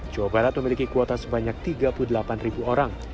jawa barat memiliki kuota sebanyak tiga puluh delapan ribu orang